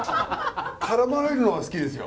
絡まれるのが好きですよ。